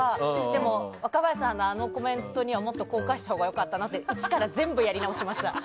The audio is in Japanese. でも、若林さんのあのコメントにはもっとこう返したほうが良かったなって一から全部やり直しました。